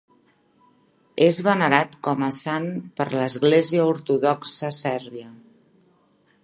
És venerat com a sant per l'Església Ortodoxa Sèrbia.